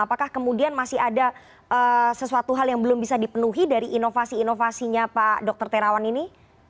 apakah kemudian masih ada sesuatu hal yang belum bisa dipenuhi dari inovasi inovasinya pak dr terawan ini